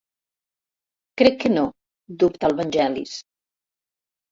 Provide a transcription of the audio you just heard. Crec que no —dubta el Vangelis—.